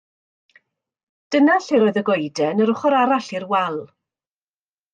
Dyna lle'r oedd y goeden yr ochr arall i'r wal.